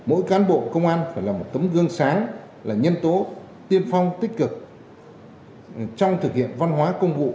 mỗi cán bộ công an phải là một tấm gương sáng là nhân tố tiên phong tích cực trong thực hiện văn hóa công vụ